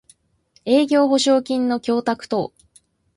営業保証金の供託等